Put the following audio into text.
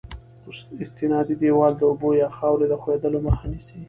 استنادي دیوال د اوبو یا خاورې د ښوېدلو مخه نیسي